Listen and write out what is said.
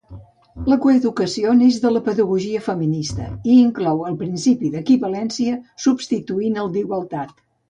La coeducació neix de la pedagogia feminista i inclou el principi d'equivalència, substituint el d'igualtat.